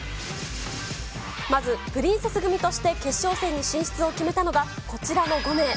まずプリンセス組として決勝戦に進出を決めたのがこちらの５名。